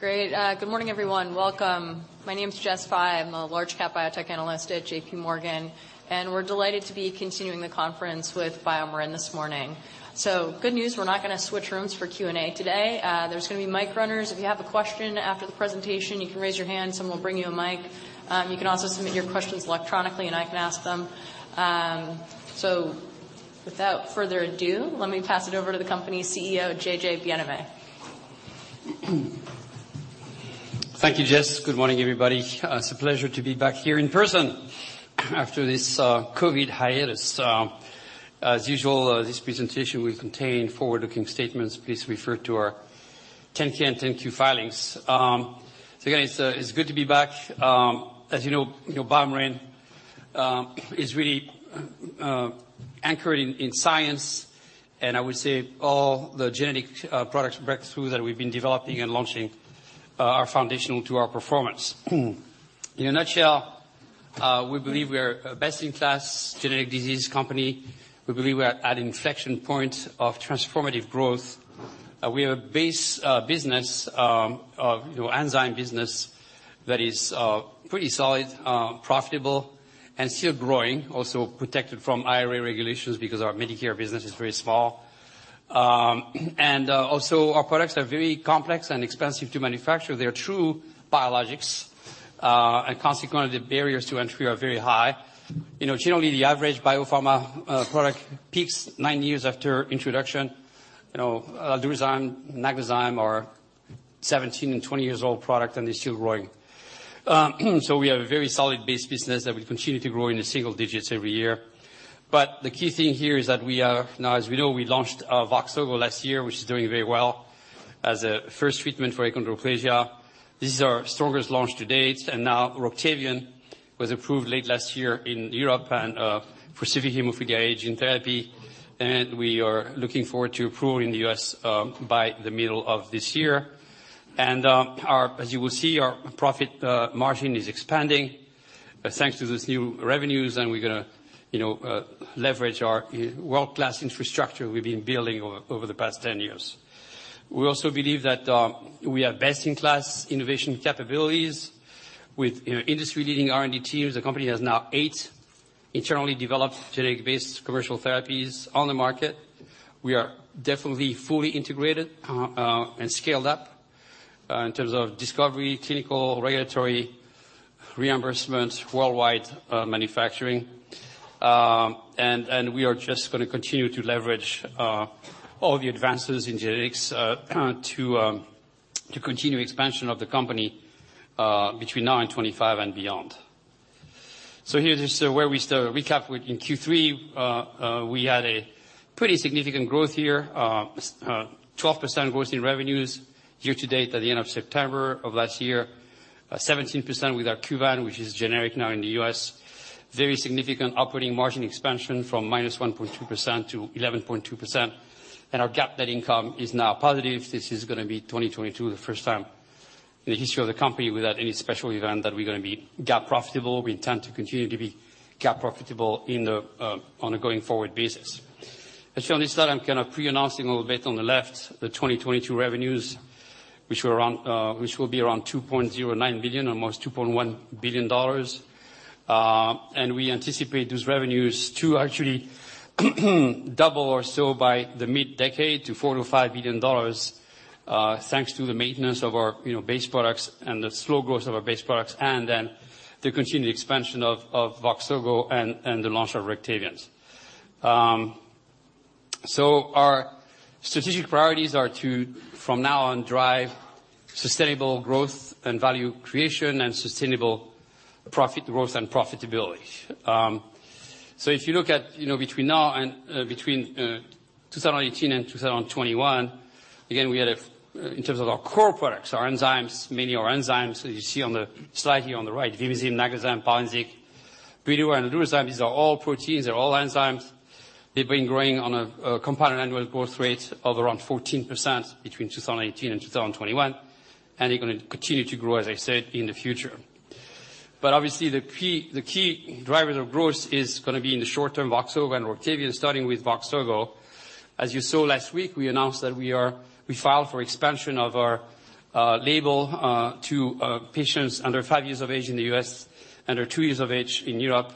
Great. Good morning, everyone. Welcome. My name is Jessica Fye. I'm a large cap biotech analyst at JP Morgan, and we're delighted to be continuing the conference with BioMarin this morning. Good news, we're not gonna switch rooms for Q&A today. There's gonna be mic runners. If you have a question after the presentation, you can raise your hand, someone will bring you a mic. You can also submit your questions electronically, and I can ask them. Without further ado, let me pass it over to the company CEO, Jean-Jacques Bienaimé. Thank you, Jess. Good morning, everybody. It's a pleasure to be back here in person after this COVID hiatus. As usual, this presentation will contain forward-looking statements. Please refer to our 10-K and 10-Q filings. Again, it's good to be back. As you know, you know, BioMarin is really anchored in science, and I would say all the genetic products breakthrough that we've been developing and launching are foundational to our performance. In a nutshell, we believe we are a best-in-class genetic disease company. We believe we're at inflection point of transformative growth. We have a base business, you know, enzyme business that is pretty solid, profitable and still growing. Also protected from IRA regulations because our Medicare business is very small. Also our products are very complex and expensive to manufacture. They are true biologics, consequently, the barriers to entry are very high. You know, generally the average biopharma product peaks nine years after introduction. You know, Aldurazyme, Naglazyme are 17 and 20 years old product, they're still growing. We have a very solid base business that will continue to grow in the single digits every year. The key thing here is that as we know, we launched Voxzogo last year, which is doing very well as a first treatment for achondroplasia. This is our strongest launch to date. Now Roctavian was approved late last year in Europe for severe hemophilia A gene therapy. We are looking forward to approve in the U.S. by the middle of this year. As you will see, our profit margin is expanding thanks to this new revenues. We're gonna, you know, leverage our world-class infrastructure we've been building over the past 10 years. We also believe that we have best-in-class innovation capabilities with, you know, industry-leading R&D teams. The company has now eight internally developed genetic-based commercial therapies on the market. We are definitely fully integrated and scaled up in terms of discovery, clinical, regulatory, reimbursement, worldwide manufacturing. And we are just gonna continue to leverage all the advances in genetics to continue expansion of the company between now and 25 and beyond. Here is where we start. A recap. In Q3, we had a pretty significant growth year. 12% growth in revenues year to date at the end of September of last year. 17% with our KUVAN, which is generic now in the U.S. Very significant operating margin expansion from -1.2% to 11.2%. Our GAAP net income is now positive. This is gonna be 2022, the first time in the history of the company without any special event that we're gonna be GAAP profitable. We intend to continue to be GAAP profitable on a going forward basis. As shown on this slide, I'm kind of pre-announcing a little bit on the left the 2022 revenues, which were around, which will be around $2.09 billion, almost $2.1 billion. We anticipate those revenues to actually double or so by the mid-decade to $4 billion-$5 billion, thanks to the maintenance of our, you know, base products and the slow growth of our base products, then the continued expansion of Voxzogo and the launch of ROCTAVIAN. Our strategic priorities are to from now on drive sustainable growth and value creation and sustainable profit growth and profitability. If you look at, you know, between now and between 2018 and 2021, again, we had. In terms of our core products, our enzymes, many of our enzymes, as you see on the slide here on the right, Vimizim, Naglazyme, Bonvizin, Brineura, and Aldurazyme, these are all proteins. They're all enzymes. They've been growing on a compound annual growth rate of around 14% between 2018 and 2021, they're gonna continue to grow, as I said, in the future. Obviously, the key driver of growth is gonna be in the short term VOXZOGO and ROCTAVIAN, starting with VOXZOGO. As you saw last week, we announced that we filed for expansion of our label to patients under five years of age in the U.S., under two years of age in Europe.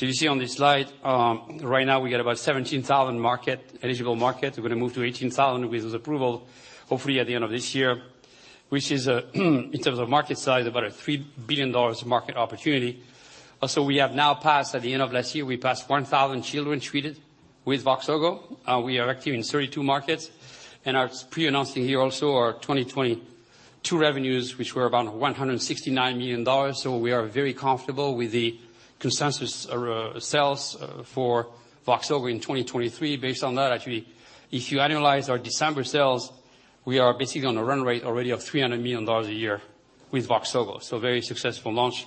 You see on this slide, right now we got about 17,000 market, eligible market. We're gonna move to 18,000 with approval, hopefully at the end of this year. Which is a in terms of market size, about a $3 billion market opportunity. We have now passed, at the end of last year, we passed 1,000 children treated with Voxzogo. We are active in 32 markets. Are pre-announcing here also our 2022 revenues, which were about $169 million. We are very comfortable with the consensus sales for Voxzogo in 2023. Based on that, actually, if you annualize our December sales, we are basically on a run rate already of $300 million a year with Voxzogo. Very successful launch,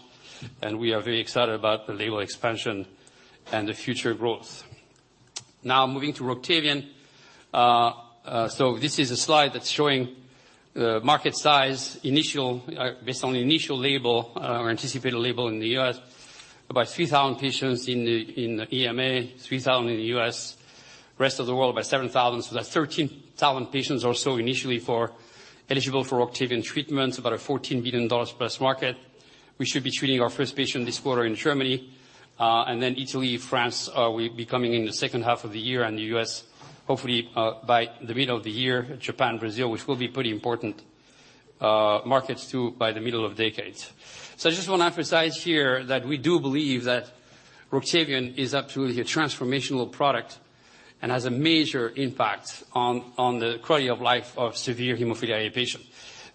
and we are very excited about the label expansion and the future growth. Now moving to ROCTAVIAN. This is a slide that's showing the market size initial, based on the initial label, or anticipated label in the U.S. About 3,000 patients in the EMA, 3,000 in the U.S., rest of the world about 7,000. That's 13,000 patients or so initially for eligible for ROCTAVIAN treatment, about a $14 billion plus market. We should be treating our first patient this quarter in Germany, and then Italy, France, will be coming in the second half of the year. The U.S. hopefully, by the middle of the year, Japan, Brazil, which will be pretty important, markets too by the middle of decade. I just wanna emphasize here that we do believe that ROCTAVIAN is absolutely a transformational product and has a major impact on the quality of life of severe hemophilia A patient.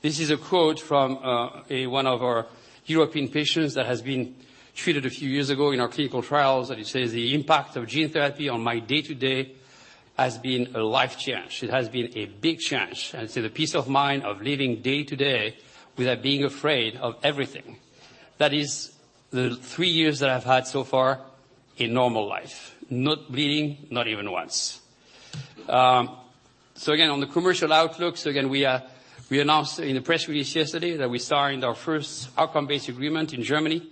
This is a quote from a one of our European patients that has been treated a few years ago in our clinical trials. It says, "The impact of gene therapy on my day-to-day has been a life change. It has been a big change, and it's with a peace of mind of living day to day without being afraid of everything. That is the three years that I've had so far a normal life, not bleeding, not even once." Again, on the commercial outlook, again, we announced in the press release yesterday that we signed our first outcome-based agreement in Germany.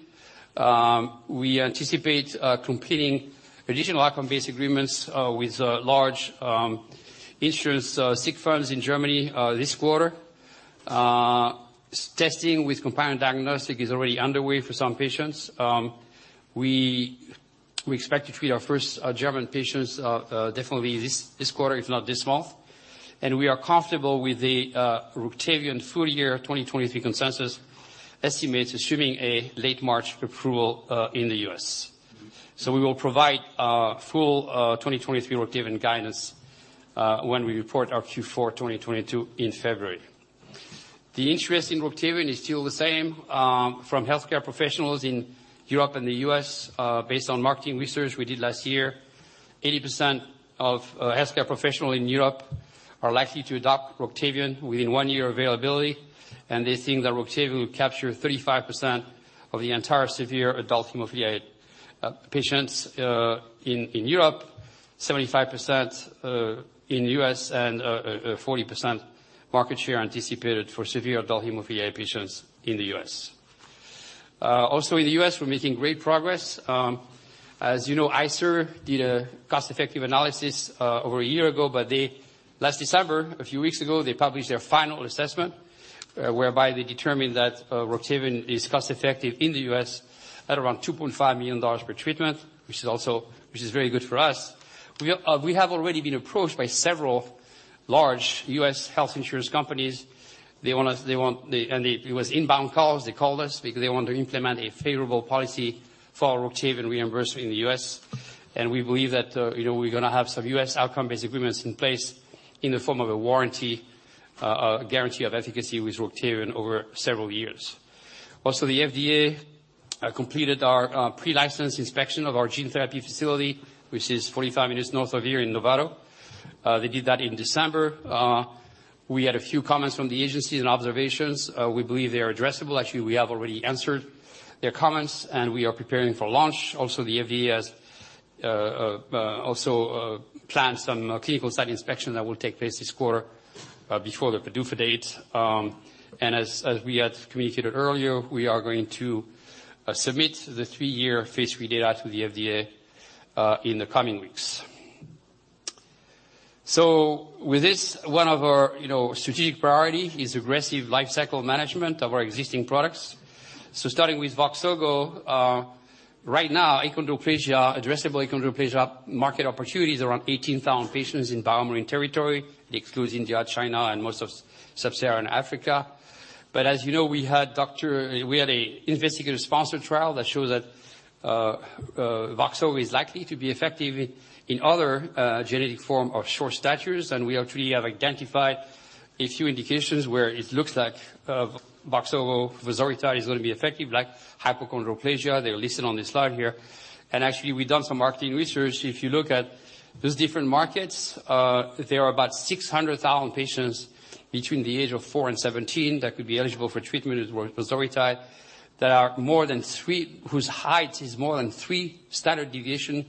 leting additional outcome-based agreements with large insurance sick funds in Germany this quarter. Testing with companion diagnostic is already underway for some patients. We expect to treat our first German patients definitely this quarter, if not this month. We are comfortable with the ROCTAVIAN full year 2023 consensus estimates, assuming a late March approval in the U.S. We will provide full 2023 ROCTAVIAN guidance when we report our Q4 2022 in February. The interest in ROCTAVIAN is still the same from healthcare professionals in Europe and the U.S., based on marketing research we did last year 80% of healthcare professional in Europe are likely to adopt ROCTAVIAN within one year availability, and they think that ROCTAVIAN will capture 35% of the entire severe adult hemophilia patients in Europe, 75% in the U.S., and 40% market share anticipated for severe adult hemophilia A patients in the U.S. Also in the U.S., we're making great progress. As you know, ICER did a cost-effective analysis over one year ago, Last December, a few weeks ago, they published their final assessment, whereby they determined that ROCTAVIAN is cost-effective in the U.S. at around $2.5 million per treatment, which is very good for us. We have already been approached by several large US health insurance companies. It was inbound calls. They called us because they want to implement a favorable policy for ROCTAVIAN reimbursement in the U.S. We believe that, you know, we're gonna have some US outcome-based agreements in place in the form of a warranty, guarantee of efficacy with ROCTAVIAN over several years. The FDA completed our pre-license inspection of our gene therapy facility, which is 45 minutes north of here in Novato. They did that in December. We had a few comments from the agencies and observations. We believe they are addressable. Actually, we have already answered their comments, and we are preparing for launch. The FDA has also planned some clinical site inspection that will take place this quarter before the PDUFA date. As, as we had communicated earlier, we are going to submit the three-year phase III data to the FDA in the coming weeks. With this, one of our, you know, strategic priority is aggressive lifecycle management of our existing products. Starting with VOXZOGO, right now, achondroplasia, addressable achondroplasia market opportunity is around 18,000 patients in BioMarin territory. It excludes India, China, and most of Sub-Saharan Africa. As you know, we had a investigative sponsored trial that shows that VOXZOGO is likely to be effective in other genetic form of short statures. We actually have identified a few indications where it looks like VOXZOGO vosoritide is gonna be effective, like hypochondroplasia. They are listed on this slide here. Actually, we've done some marketing research. If you look at those different markets, there are about 600,000 patients between the age of four and 17 that could be eligible for treatment with vosoritide that are more than three standard deviation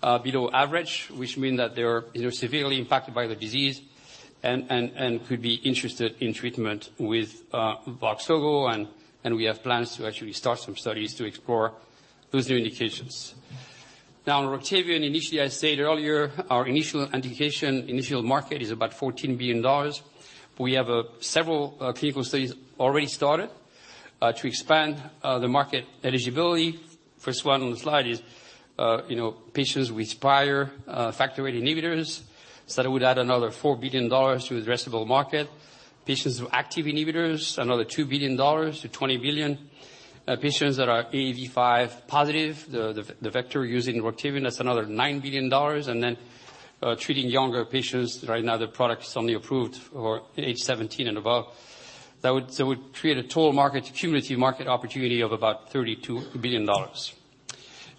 below average, which mean that they are, you know, severely impacted by the disease and could be interested in treatment with VOXZOGO. We have plans to actually start some studies to explore those new indications. Now, on ROCTAVIAN, initially, I said earlier our initial indication, initial market is about $14 billion. We have several clinical studies already started to expand the market eligibility. First one on the slide is, you know, patients with prior factor VIII inhibitors, so that would add another $4 billion to addressable market. Patients with active inhibitors, another $2 billion-$20 billion. Patients that are AAV5 positive, the vector using ROCTAVIAN, that's another $9 billion. Treating younger patients. Right now, the product is only approved for age 17 and above. That would create a total market, cumulative market opportunity of about $32 billion.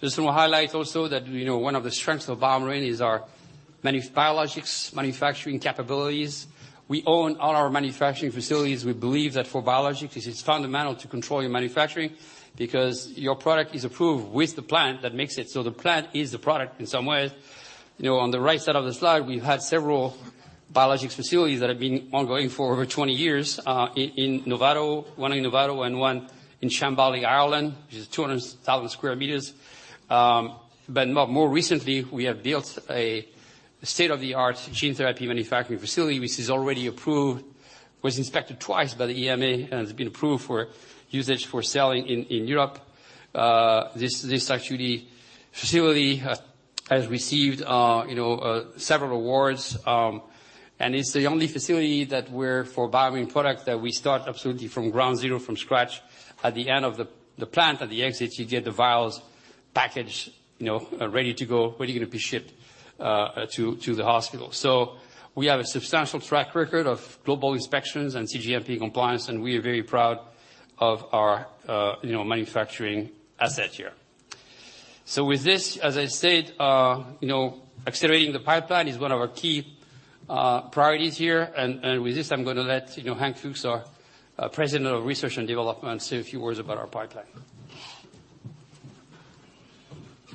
Just wanna highlight also that, you know, one of the strengths of BioMarin is our biologics manufacturing capabilities. We own all our manufacturing facilities. We believe that for biologics, it's fundamental to control your manufacturing because your product is approved with the plant that makes it. The plant is the product in some ways. You know, on the right side of the slide, we've had several biologics facilities that have been ongoing for over 20 years, in Novato and one in Shanbally, Ireland, which is 200,000 square meters. More recently, we have built a state-of-the-art gene therapy manufacturing facility, which is already approved, was inspected twice by the EMA, and it's been approved for usage for selling in Europe. This actually facility has received, you know, several awards, it's the only facility that where for BioMarin products that we start absolutely from ground zero from scratch. At the end of the plant, at the exit, you get the vials packaged, you know, ready to go, ready to be shipped to the hospital. We have a substantial track record of global inspections and cGMP compliance, and we are very proud of our, you know, manufacturing asset here. With this, as I said, you know, accelerating the pipeline is one of our key priorities here. With this, I'm gonna let you know, Hank Fuchs, our President of Research and Development, say a few words about our pipeline.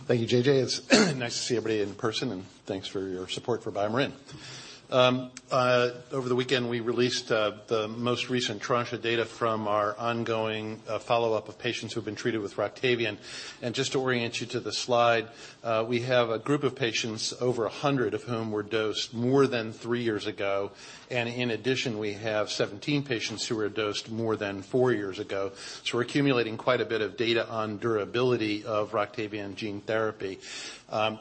Thank you, JJ. It's nice to see everybody in person. Thanks for your support for BioMarin. Over the weekend, we released the most recent tranche of data from our ongoing follow-up of patients who've been treated with ROCTAVIAN. Just to orient you to the slide, we have a group of patients over 100 of whom were dosed more than three years ago. In addition, we have 17 patients who were dosed more than four years ago. We're accumulating quite a bit of data on durability of ROCTAVIAN gene therapy.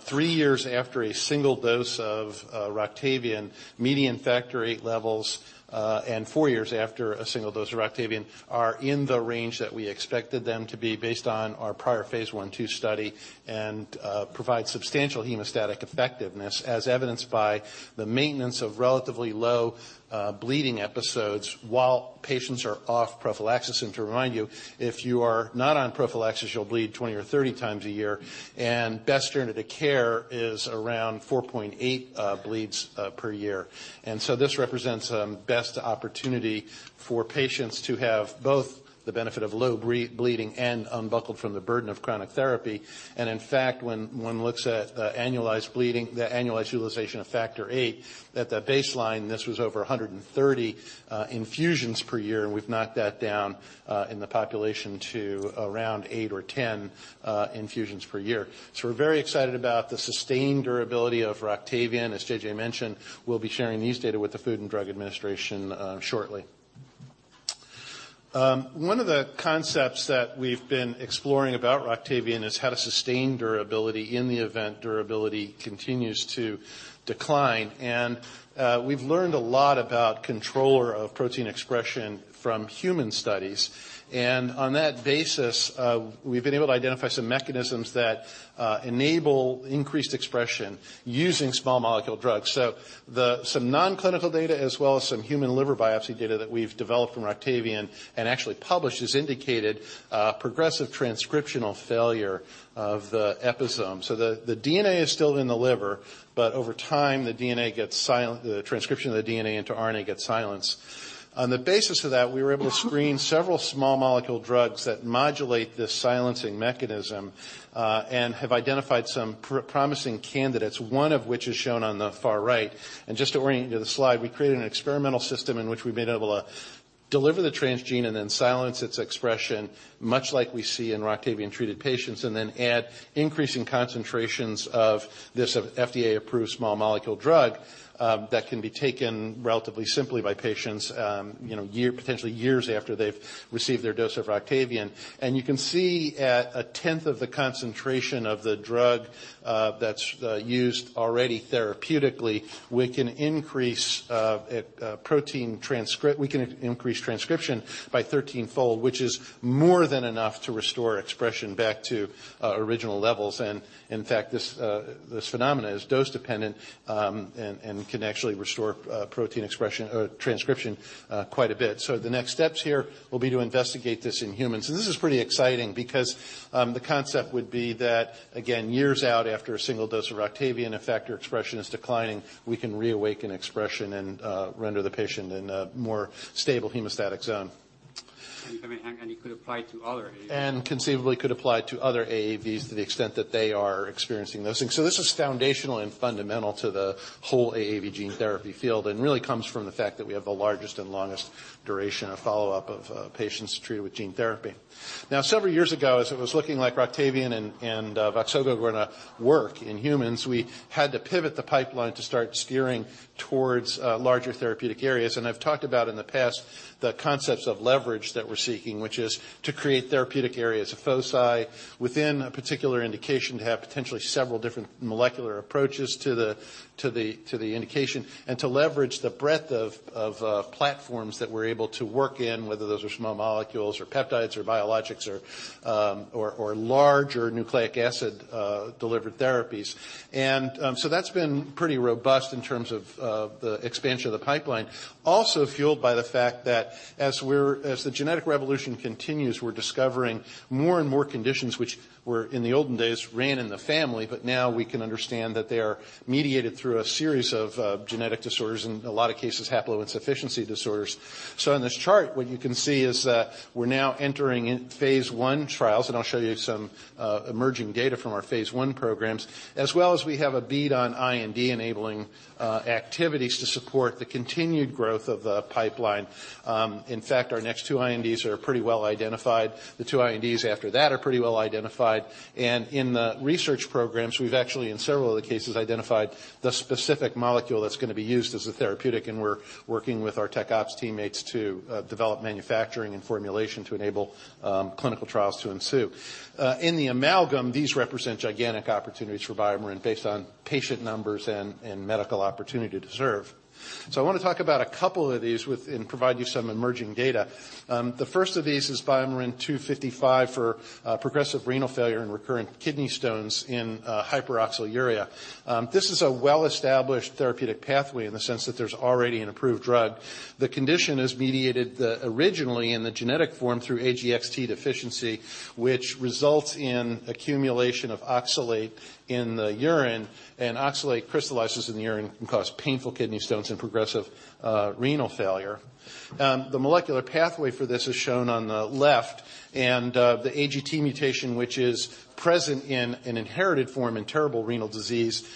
Three years after a single dose of ROCTAVIAN, median factor VIII levels, and four years after a single dose of ROCTAVIAN are in the range that we expected them to be based on our prior Phase I/II study and provide substantial hemostatic effectiveness as evidenced by the maintenance of relatively low bleeding episodes while patients are off prophylaxis. To remind you, if you are not on prophylaxis, you'll bleed 20 or 30 times a year, and best standard of care is around 4.8 bleeds per year. This represents best opportunity for patients to have both the benefit of low bleeding and unbuckled from the burden of chronic therapy. In fact, when one looks at annualized bleeding, the annualized utilization of factor VIII at the baseline, this was over 130 infusions per year, and we've knocked that down in the population to around eight or 10 infusions per year. We're very excited about the sustained durability of ROCTAVIAN. As JJ mentioned, we'll be sharing these data with the Food and Drug Administration shortly. One of the concepts that we've been exploring about ROCTAVIAN is how to sustain durability in the event durability continues to decline. We've learned a lot about controller of protein expression from human studies. On that basis, we've been able to identify some mechanisms that enable increased expression using small molecule drugs. Some non-clinical data as well as some human liver biopsy data that we've developed from ROCTAVIAN and actually published has indicated, progressive transcriptional failure of the episome. The DNA is still in the liver, but over time the DNA gets silent, the transcription of the DNA into RNA gets silenced. On the basis of that, we were able to screen several small molecule drugs that modulate this silencing mechanism, and have identified some promising candidates, one of which is shown on the far right. Just to orient you to the slide, we created an experimental system in which we've been able to deliver the transgene and then silence its expression, much like we see in ROCTAVIAN-treated patients, add increasing concentrations of this FDA-approved small molecule drug, that can be taken relatively simply by patients, you know, year, potentially years after they've received their dose of ROCTAVIAN. You can see at a tenth of the concentration of the drug, that's used already therapeutically, we can increase transcription by 13-fold, which is more than enough to restore expression back to original levels. In fact, this phenomena is dose-dependent, and can actually restore protein expression or transcription quite a bit. The next steps here will be to investigate this in humans. This is pretty exciting because, the concept would be that, again, years out after a single dose of ROCTAVIAN, if factor expression is declining, we can reawaken expression and, render the patient in a more stable hemostatic zone. I mean, and it could apply to other AAVs. Conceivably could apply to other AAVs to the extent that they are experiencing those things. This is foundational and fundamental to the whole AAV gene therapy field and really comes from the fact that we have the largest and longest duration of follow-up of patients treated with gene therapy. Several years ago, as it was looking like ROCTAVIAN and VOXZOGO were gonna work in humans, we had to pivot the pipeline to start steering towards larger therapeutic areas. I've talked about in the past the concepts of leverage that we're seeking, which is to create therapeutic areas of foci within a particular indication to have potentially several different molecular approaches to the indication and to leverage the breadth of platforms that we're able to work in, whether those are small molecules or peptides or biologics or larger nucleic acid delivered therapies. That's been pretty robust in terms of the expansion of the pipeline. Also fueled by the fact that as the genetic revolution continues, we're discovering more and more conditions which were in the olden days ran in the family, but now we can understand that they are mediated through a series of genetic disorders, in a lot of cases, haploinsufficiency disorders. In this chart, what you can see is that we're now entering in phase I trials, and I'll show you some emerging data from our phase I programs, as well as we have a bead on IND enabling activities to support the continued growth of the pipeline. In fact, our next two INDs are pretty well-identified. The two INDs after that are pretty well-identified. In the research programs, we've actually in several of the cases identified the specific molecule that's gonna be used as a therapeutic, and we're working with our tech ops teammates to develop manufacturing and formulation to enable clinical trials to ensue. In the amalgam, these represent gigantic opportunities for BioMarin based on patient numbers and medical opportunity to serve. I wanna talk about a couple of these with and provide you some emerging data. The first of these is BMN 255 for progressive renal failure and recurrent kidney stones in hyperoxaluria. This is a well-established therapeutic pathway in the sense that there's already an approved drug. The condition is mediated originally in the genetic form through AGXT deficiency, which results in accumulation of oxalate in the urine, and oxalate crystallizes in the urine and can cause painful kidney stones and progressive renal failure. The molecular pathway for this is shown on the left. The AGT mutation, which is present in an inherited form in terrible renal disease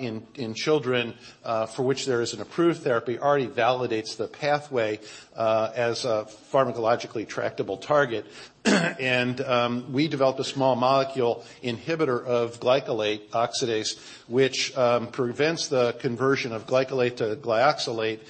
in children, for which there is an approved therapy, already validates the pathway as a pharmacologically tractable target. We developed a small molecule inhibitor of glycolate oxidase, which prevents the conversion of glycolate to glyoxylate,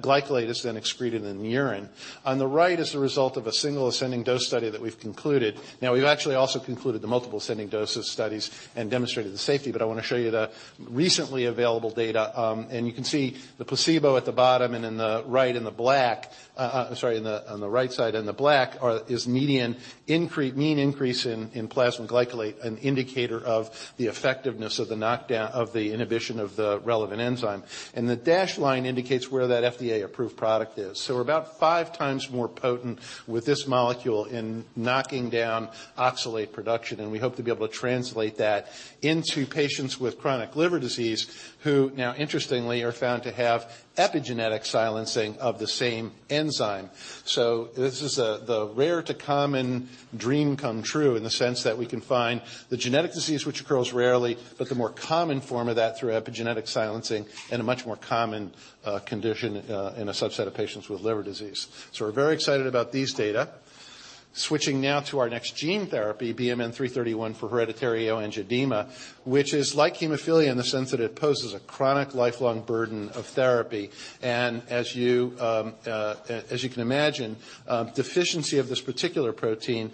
glycolate is then excreted in the urine. On the right is the result of a single ascending dose study that we've concluded. We've actually also concluded the multiple ascending doses studies and demonstrated the safety, but I wanna show you the recently available data. You can see the placebo at the bottom and in the right in the black... I'm sorry, on the right side in the black are, is mean increase in plasma glycolate, an indicator of the effectiveness of the knockdown of the inhibition of the relevant enzyme. The dashed line indicates where that FDA-approved product is. We're about five times more potent with this molecule in knocking down oxalate production, and we hope to be able to translate that into patients with chronic liver disease who now interestingly are found to have epigenetic silencing of the same enzyme. This is the rare to common dream come true in the sense that we can find the genetic disease which occurs rarely, but the more common form of that through epigenetic silencing and a much more common condition in a subset of patients with liver disease. We're very excited about these data. Switching now to our next gene therapy, BMN 331 for hereditary angioedema, which is like hemophilia in the sense that it poses a chronic lifelong burden of therapy. As you can imagine, deficiency of this particular protein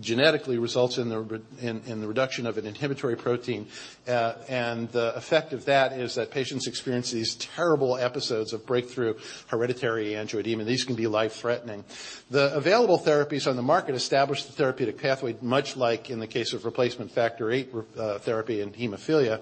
genetically results in the reduction of an inhibitory protein. The effect of that is that patients experience these terrible episodes of breakthrough hereditary angioedema, and these can be life-threatening. The available therapies on the market establish the therapeutic pathway, much like in the case of replacement factor VIII therapy in hemophilia.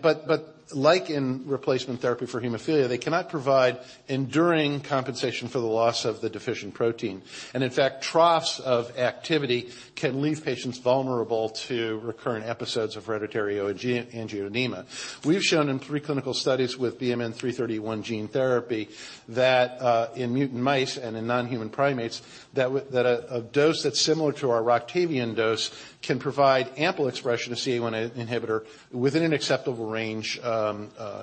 But like in replacement therapy for hemophilia, they cannot provide enduring compensation for the loss of the deficient protein. In fact, troughs of activity can leave patients vulnerable to recurrent episodes of hereditary angioedema. We've shown in three clinical studies with BMN 331 gene therapy that in mutant mice and in non-human primates that a dose that's similar to our ROCTAVIAN dose can provide ample expression of C1-esterase inhibitor within an acceptable range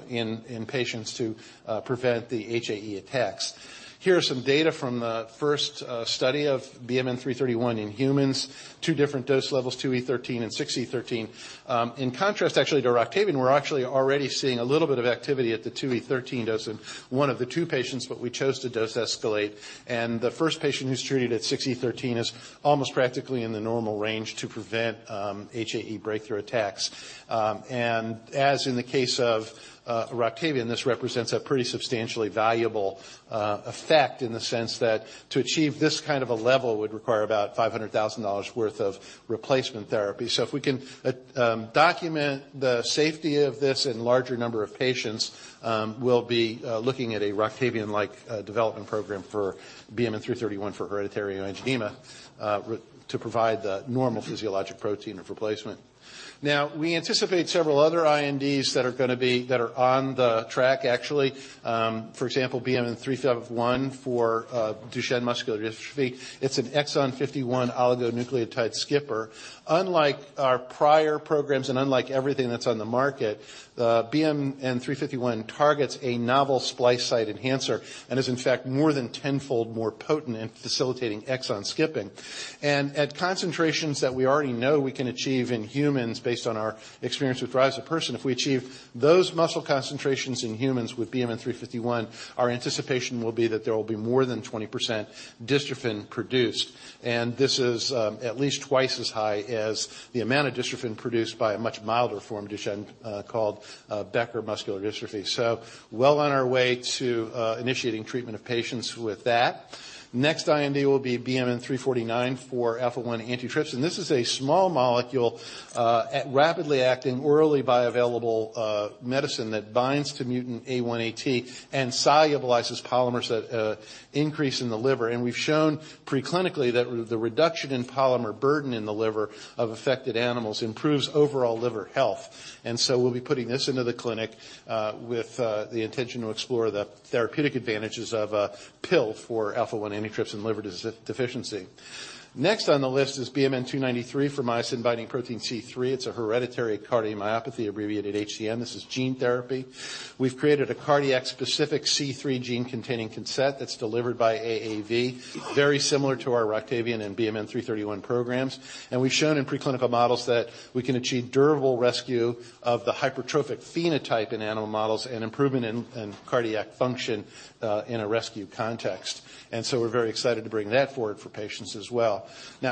in patients to prevent the HAE attacks. Here are some data from the first study of BMN 331 in humans, two different dose levels, 2E13 and 6E13. In contrast actually to ROCTAVIAN, we're actually already seeing a little bit of activity at the 2E13 dose in one of the two patients, but we chose to dose escalate. The first patient who's treated at 6E13 is almost practically in the normal range to prevent HAE breakthrough attacks. As in the case of Roctavian, this represents a pretty substantially valuable effect in the sense that to achieve this kind of a level would require about $500,000 worth of replacement therapy. If we can document the safety of this in larger number of patients, we'll be looking at a Roctavian-like development program for BMN 331 for hereditary angioedema to provide the normal physiologic protein replacement. We anticipate several other INDs that are on the track actually. For example, BMN 351 for Duchenne muscular dystrophy. It's an exon 51 oligonucleotide skipper. Unlike our prior programs and unlike everything that's on the market, BMN 351 targets a novel splice site enhancer and is in fact more than tenfold more potent in facilitating exon skipping. At concentrations that we already know we can achieve in humans based on our experience with risdiplam, if we achieve those muscle concentrations in humans with BMN 351, our anticipation will be that there will be more than 20% dystrophin produced. This is at least twice as high as the amount of dystrophin produced by a much milder form of Duchenne, called Becker muscular dystrophy. Well on our way to initiating treatment of patients with that. Next IND will be BMN 349 for alpha-1 antitrypsin. This is a small molecule, rapidly acting orally bioavailable medicine that binds to mutant A1AT and solubilizes polymers that increase in the liver. We've shown preclinically that the reduction in polymer burden in the liver of affected animals improves overall liver health. We'll be putting this into the clinic with the intention to explore the therapeutic advantages of a pill for alpha-1 antitrypsin liver deficiency. Next on the list is BMN 293 for myosin-binding protein C3. It's a hereditary cardiomyopathy abbreviated HCM. This is gene therapy. We've created a cardiac-specific C3 gene-containing cassette that's delivered by AAV, very similar to our ROCTAVIAN and BMN 331 programs. We've shown in preclinical models that we can achieve durable rescue of the hypertrophic phenotype in animal models and improvement in cardiac function in a rescue context. We're very excited to bring that forward for patients as well.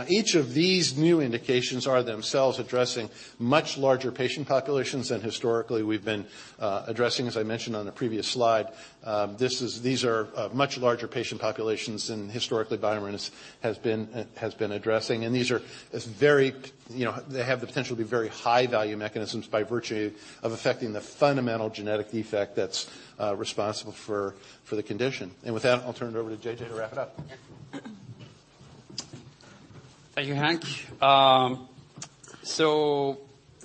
Each of these new indications are themselves addressing much larger patient populations than historically we've been addressing, as I mentioned on the previous slide. These are much larger patient populations than historically BioMarin has been addressing. These are very, you know, they have the potential to be very high-value mechanisms by virtue of affecting the fundamental genetic defect that's responsible for the condition. With that, I'll turn it over to JJ to wrap it up. Thank you, Hank.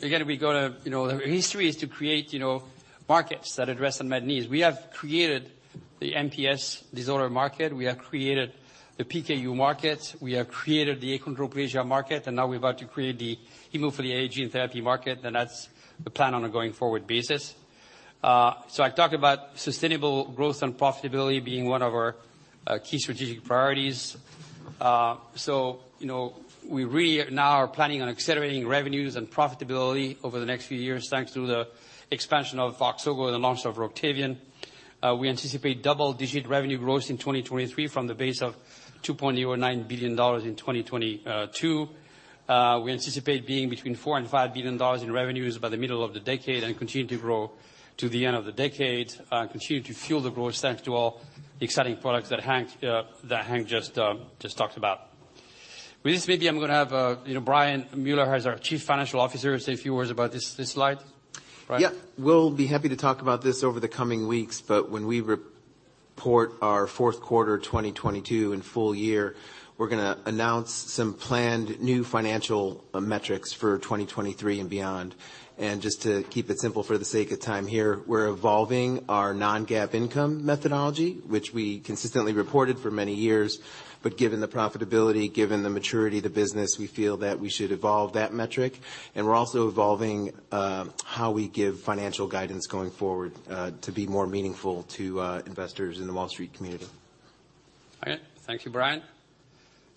Again, we go to, you know, our history is to create, you know, markets that address unmet needs. We have created the MPS disorder market. We have created the PKU market. We have created the achondroplasia market. Now we're about to create the hemophilia gene therapy market. That's the plan on a going-forward basis. I talked about sustainable growth and profitability being one of our key strategic priorities. You know, we really now are planning on accelerating revenues and profitability over the next few years, thanks to the expansion of VOXZOGO and the launch of ROCTAVIAN. We anticipate double-digit revenue growth in 2023 from the base of $2.09 billion in 2022. We anticipate being between $4 billion and $5 billion in revenues by the middle of the decade and continue to grow to the end of the decade, continue to fuel the growth thanks to all the exciting products that Hank just talked about. With this maybe I'm gonna have, you know, Brian Mueller, who's our Chief Financial Officer, say a few words about this slide. Brian? Yeah. We'll be happy to talk about this over the coming weeks, but when we report our fourth quarter 2022 and full year, we're gonna announce some planned new financial metrics for 2023 and beyond. Just to keep it simple for the sake of time here, we're evolving our non-GAAP income methodology, which we consistently reported for many years. Given the profitability, given the maturity of the business, we feel that we should evolve that metric, and we're also evolving how we give financial guidance going forward to be more meaningful to investors in the Wall Street community. All right. Thank you, Brian.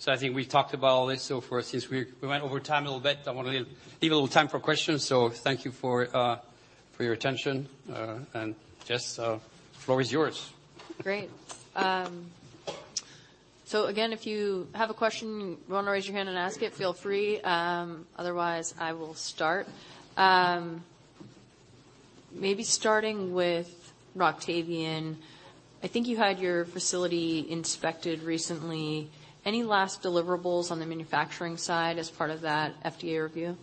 I think we've talked about all this, since we went over time a little bit, I wanna leave a little time for questions. Thank you for your attention. Jess, the floor is yours. Great. Again, if you have a question, wanna raise your hand and ask it, feel free. Otherwise I will start. Maybe starting with ROCTAVIAN, I think you had your facility inspected recently. Any last deliverables on the manufacturing side as part of that FDA review?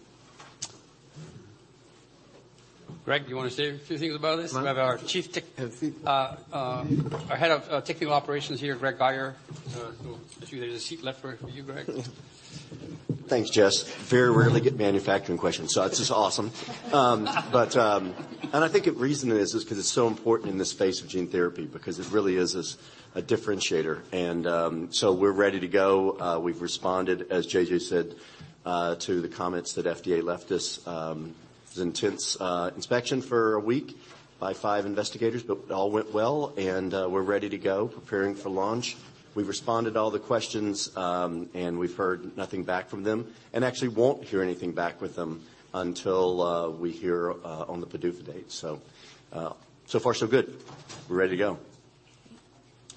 Greg, do you wanna say a few things about this? Mm-hmm. We have our chief tech- Have a seat. Our Head of Technical Operations here, Greg Guyer. Actually there's a seat left for you, Greg. Thanks, Jessica Fye. Very rarely get manufacturing questions, so this is awesome. I think the reason is because it's so important in the space of gene therapy because it really is as a differentiator. We're ready to go. We've responded, as Jean-Jacques Bienaimé said, to the comments that FDA left us. It was intense, inspection for a week by five investigators, but it all went well, and we're ready to go, preparing for launch. We've responded to all the questions, and we've heard nothing back from them. Actually won't hear anything back with them until we hear on the PDUFA date. So far so good. We're ready to go.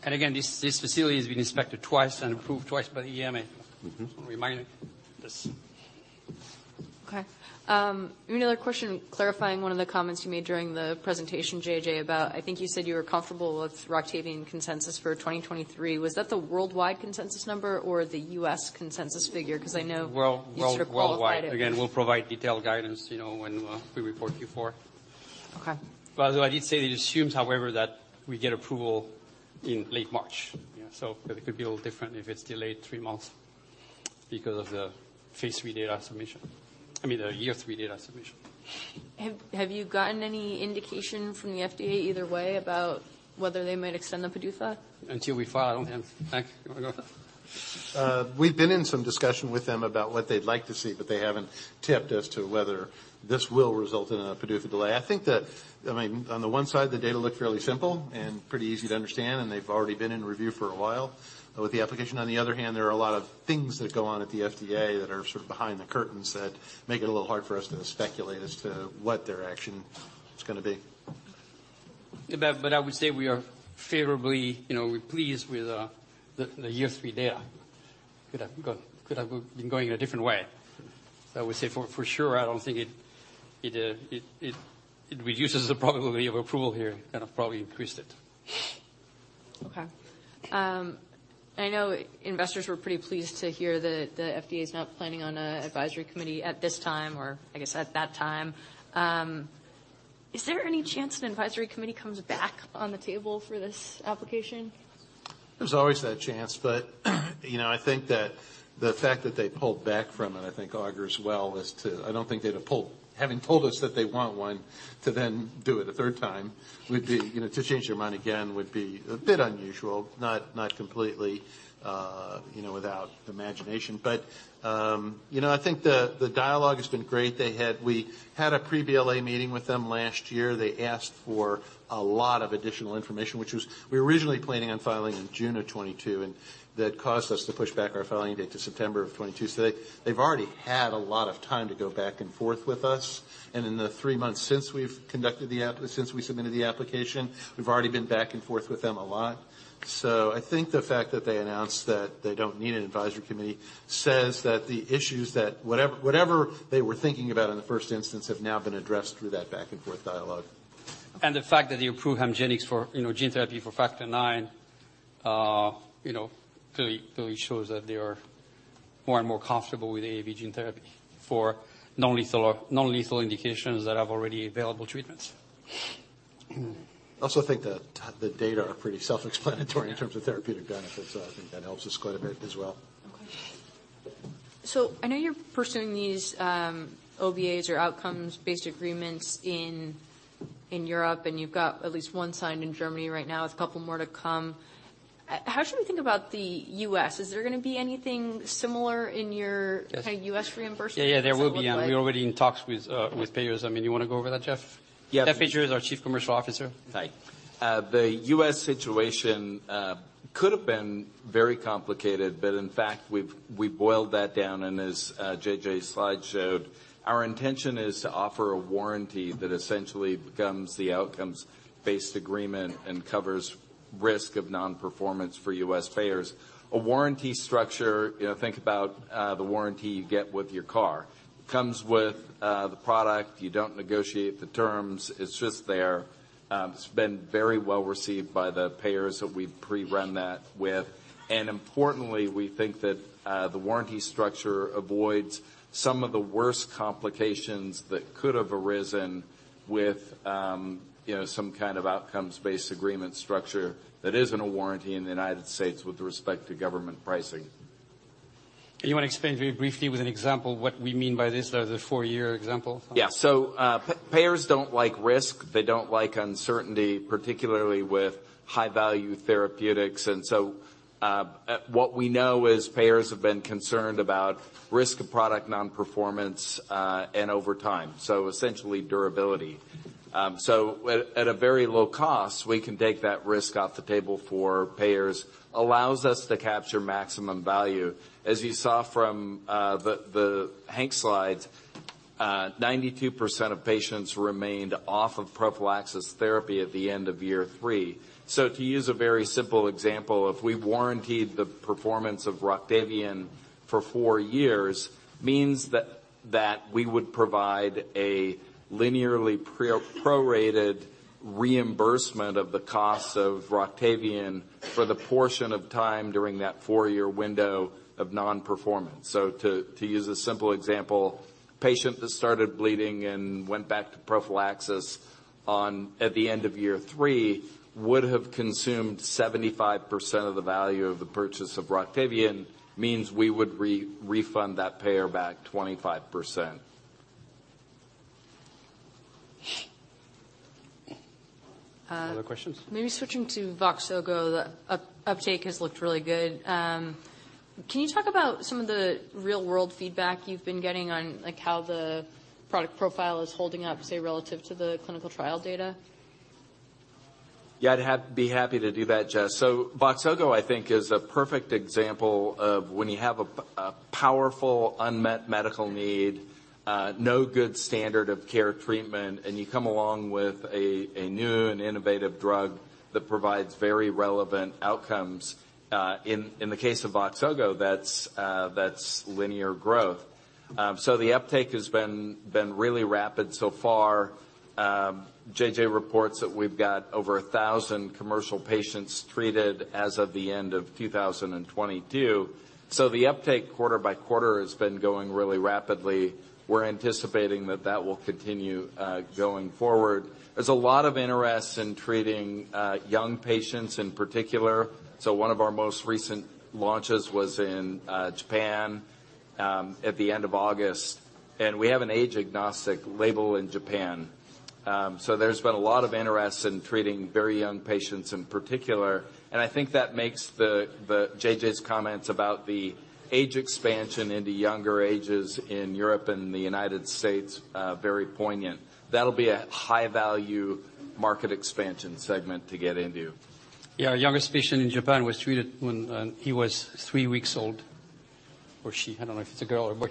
Again, this facility has been inspected twice and approved twice by the EMA. Mm-hmm. Just wanna remind this. Okay. Another question clarifying one of the comments you made during the presentation, JJ, about I think you said you were comfortable with ROCTAVIAN consensus for 2023. Was that the worldwide consensus number or the US consensus figure? Cause I know- World-worldwide you sort of qualified it. We'll provide detailed guidance, you know, when we report Q4. Okay. I did say it assumes, however, that we get approval in late March. You know, so it could be a little different if it's delayed three months because of the phase III data submission. I mean, the year three data submission. Have you gotten any indication from the FDA either way about whether they might extend the PDUFA? Until we file, Hank, you wanna go? We've been in some discussion with them about what they'd like to see, but they haven't tipped as to whether this will result in a PDUFA delay. I think that, I mean, on the one side, the data look fairly simple and pretty easy to understand, and they've already been in review for a while. With the application, on the other hand, there are a lot of things that go on at the FDA that are sort of behind the curtains that make it a little hard for us to speculate as to what their action is gonna be. I would say, you know, we're pleased with the year three data. Could have been going a different way. I would say for sure, I don't think it reduces the probability of approval here, kind of probably increased it. Okay. I know investors were pretty pleased to hear that the FDA's not planning on a advisory committee at this time, or I guess at that time. Is there any chance an advisory committee comes back on the table for this application? There's always that chance. You know, I think that the fact that they pulled back from it, I think augers well as to I don't think they'd have pulled... Having told us that they want one to then do it a third time would be, you know, to change their mind again would be a bit unusual, not completely, you know, without imagination. You know, I think the dialogue has been great. We had a pre-BLA meeting with them last year. They asked for a lot of additional information, which was we were originally planning on filing in June of 2022, and that caused us to push back our filing date to September of 2022. They, they've already had a lot of time to go back and forth with us. In the three months since we've conducted the app... since we submitted the application, we've already been back and forth with them a lot. I think the fact that they announced that they don't need an advisory committee says that the issues that whatever they were thinking about in the first instance have now been addressed through that back-and-forth dialogue. The fact that they approved Hemgenix for, you know, gene therapy for Factor IX, you know, clearly shows that they are more and more comfortable with AAV gene therapy for non-lethal indications that have already available treatments. I also think the data are pretty self-explanatory in terms of therapeutic benefits. I think that helps us quite a bit as well. I know you're pursuing these OBAs or outcomes-based agreements in Europe, and you've got at least one signed in Germany right now, with a couple more to come. How should we think about the U.S.? Is there gonna be anything similar in your-? Yes. kind of US reimbursement piece that look like? Yeah, there will be. We're already in talks with payers. I mean, you wanna go over that, Jeff? Yes. Jeff Ajer is our Chief Commercial Officer. Hi. The U.S. situation could have been very complicated, but in fact, we've boiled that down. As J.J.'s slide showed, our intention is to offer a warranty that essentially becomes the outcomes-based agreement and covers risk of non-performance for US payers. A warranty structure, you know, think about the warranty you get with your car. Comes with the product. You don't negotiate the terms, it's just there. It's been very well-received by the payers that we've pre-run that with. Importantly, we think that the warranty structure avoids some of the worst complications that could have arisen with, you know, some kind of outcomes-based agreement structure that isn't a warranty in the United States with respect to government pricing. You wanna explain very briefly with an example what we mean by this, the four year example? Yeah. Payers don't like risk. They don't like uncertainty, particularly with high-value therapeutics. What we know is payers have been concerned about risk of product non-performance and over time, so essentially durability. At a very low cost, we can take that risk off the table for payers. Allows us to capture maximum value. As you saw from the Hank slides, 92% of patients remained off of prophylaxis therapy at the end of year three. To use a very simple example, if we warrantied the performance of ROCTAVIAN for four years, means that we would provide a linearly pre-prorated reimbursement of the cost of ROCTAVIAN for the portion of time during that four year window of non-performance. To use a simple example, patient that started bleeding and went back to prophylaxis on, at the end of year three, would have consumed 75% of the value of the purchase of ROCTAVIAN, means we would re-refund that payer back 25%. Other questions? Maybe switching to VOXZOGO, the uptake has looked really good. Can you talk about some of the real-world feedback you've been getting on, like, how the product profile is holding up, say, relative to the clinical trial data? I'd be happy to do that, Jess. Voxzogo, I think, is a perfect example of when you have a powerful unmet medical need, no good standard of care treatment, and you come along with a new and innovative drug that provides very relevant outcomes. In the case of VOXZOGO, that's linear growth. The uptake has been really rapid so far. JJ reports that we've got over 1,000 commercial patients treated as of the end of 2022. The uptake quarter by quarter has been going really rapidly. We're anticipating that that will continue going forward. There's a lot of interest in treating young patients in particular. One of our most recent launches was in Japan at the end of August. We have an age agnostic label in Japan. There's been a lot of interest in treating very young patients in particular, and I think that makes JJ's comments about the age expansion into younger ages in Europe and the United States very poignant. That'll be a high-value market expansion segment to get into. Yeah, our youngest patient in Japan was treated when he was three weeks old. Or she, I don't know if it's a girl or boy.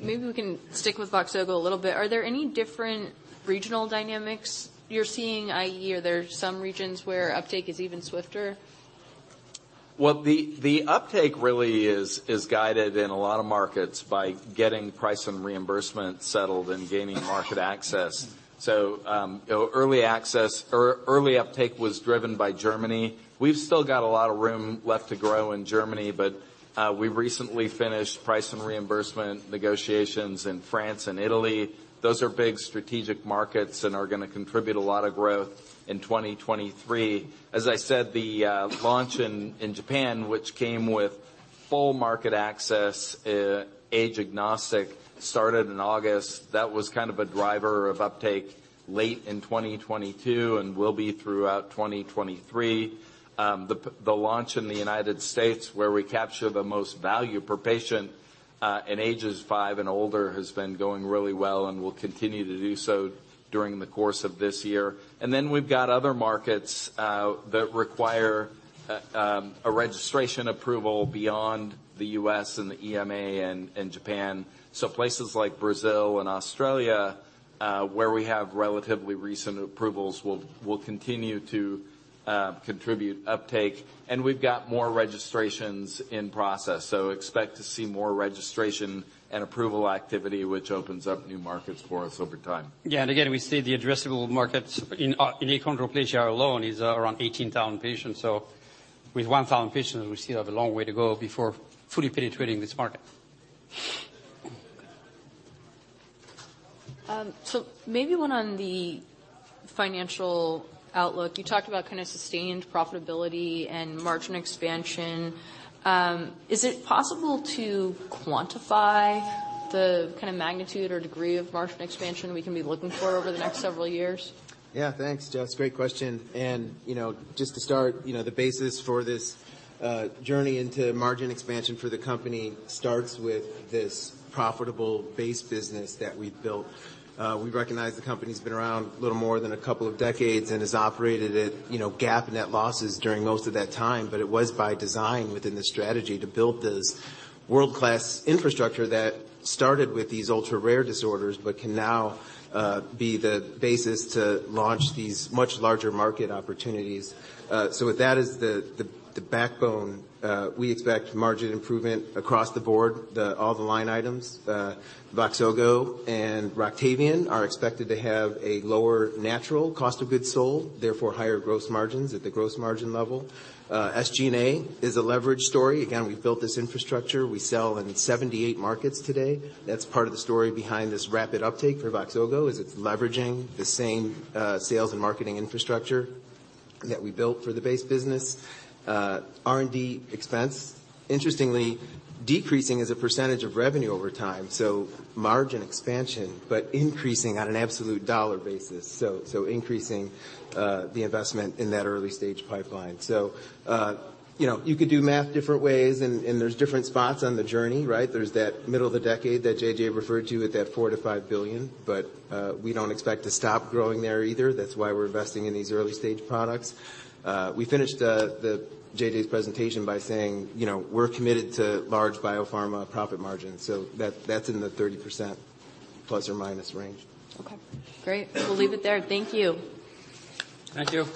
Maybe we can stick with VOXZOGO a little bit. Are there any different regional dynamics you're seeing, i.e. are there some regions where uptake is even swifter? The uptake really is guided in a lot of markets by getting price and reimbursement settled and gaining market access. Early access or early uptake was driven by Germany. We've still got a lot of room left to grow in Germany, we recently finished price and reimbursement negotiations in France and Italy. Those are big strategic markets and are gonna contribute a lot of growth in 2023. As I said, the launch in Japan, which came with full market access, age agnostic, started in August. That was kind of a driver of uptake late in 2022 and will be throughout 2023. The launch in the United States, where we capture the most value per patient, in ages five and older, has been going really well and will continue to do so during the course of this year. We've got other markets that require a registration approval beyond the US and the EMA and Japan. Places like Brazil and Australia, where we have relatively recent approvals will continue to contribute uptake. We've got more registrations in process. Expect to see more registration and approval activity, which opens up new markets for us over time. Yeah. Again, we see the addressable markets in achondroplasia alone is around 18,000 patients. With 1,000 patients, we still have a long way to go before fully penetrating this market. Maybe one on the financial outlook. You talked about kind of sustained profitability and margin expansion. Is it possible to quantify the kind of magnitude or degree of margin expansion we can be looking for over the next several years? Yeah, thanks, Jess, great question. You know, just to start, you know, the basis for this journey into margin expansion for the company starts with this profitable base business that we've built. We recognize the company's been around a little more than a couple of decades and has operated at, you know, GAAP net losses during most of that time. It was by design within the strategy to build this world-class infrastructure that started with these ultra-rare disorders, but can now be the basis to launch these much larger market opportunities. With that as the backbone, we expect margin improvement across the board, all the line items. VOXZOGO and ROCTAVIAN are expected to have a lower natural cost of goods sold, therefore higher growth margins at the growth margin level. SG&A is a leverage story. We've built this infrastructure. We sell in 78 markets today. That's part of the story behind this rapid uptake for VOXZOGO, is it's leveraging the same, sales and marketing infrastructure that we built for the base business. R&D expense, interestingly, decreasing as a percentage of revenue over time, so margin expansion, but increasing on an absolute dollar basis. Increasing the investment in that early-stage pipeline. You know, you could do math different ways, and there's different spots on the journey, right? There's that middle of the decade that JJ referred to at that $4 billion-$5 billion. We don't expect to stop growing there either. That's why we're investing in these early-stage products. We finished JJ's presentation by saying, you know, we're committed to large biopharma profit margins. That's in the 30% ± range. Okay, great. We'll leave it there. Thank you. Thank you.